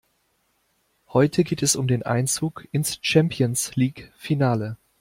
Heute geht es um den Einzug ins Champions-League-Finale.